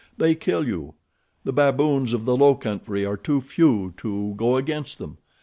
"They kill you. The baboons of the low country are too few to go against them.